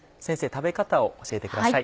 食べ方を教えてください。